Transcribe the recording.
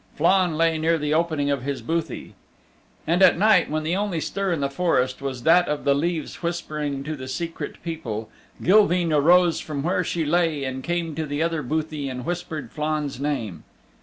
Flann lay near the opening of this bothie. And at night, when the only stir in the forest was that of the leaves whispering to the Secret People, Gilveen arose from where she lay and came to the other bothie and whispered Flann's name.